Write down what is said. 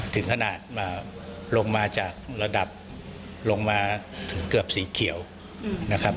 ถึงขนาดลงมาจากระดับลงมาถึงเกือบสีเขียวนะครับ